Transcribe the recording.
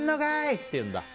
って言うんだ。